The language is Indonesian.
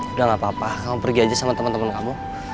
udah gak apa apa kamu pergi aja sama teman teman kamu